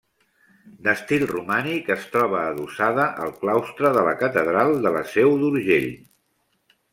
D'estil romànic, es troba adossada al claustre de la Catedral de la Seu d'Urgell.